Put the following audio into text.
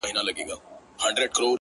هغه مړ سو اوس يې ښخ كړلو-